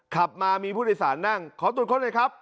ขับมามีผู้โดยสารนั่งขอตรวจค้นหน่อยครับ